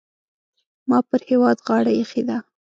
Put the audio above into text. ما پر هېواد غاړه اېښې ده.